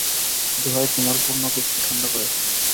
দোহাই তোমার, পূর্ণকে একটু ঠাণ্ডা করে এসোগে।